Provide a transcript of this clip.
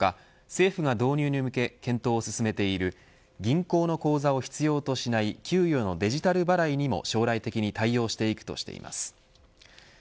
政府が導入に向け検討を進めている現行の口座を必要としない給与のデジタル払いにも将来的に対応していくとしています。